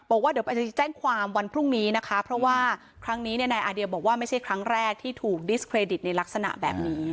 บอกว่าเดี๋ยวจะแจ้งความวันพรุ่งนี้นะคะเพราะว่าครั้งนี้เนี่ยนายอาเดียบอกว่าไม่ใช่ครั้งแรกที่ถูกดิสเครดิตในลักษณะแบบนี้